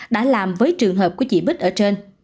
đã làm với trường hợp của chị bích ở trên